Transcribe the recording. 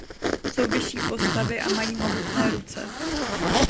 Jsou vyšší postavy a mají mohutné ruce.